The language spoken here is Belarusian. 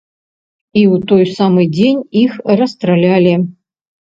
І ў той самы дзень іх расстралялі.